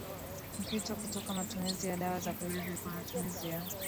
Mpito kutoka matumizi ya dawa za kulevya kwa matumizi ya